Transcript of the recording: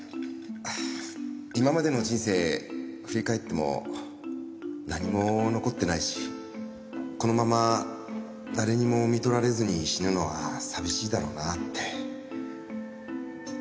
今までの人生振り返っても何も残ってないしこのまま誰にも看取られずに死ぬのは寂しいだろうなって。